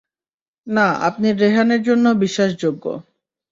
না আপনি রেহান এর জন্য বিশ্বাসযোগ্য।